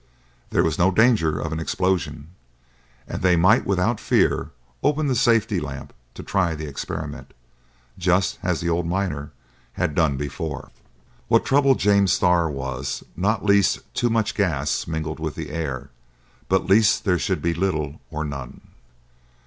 There was no danger of an explosion, and they might without fear open the safety lamp to try the experiment, just as the old miner had done before. What troubled James Starr was, not lest too much gas mingled with the air, but lest there should be little or none.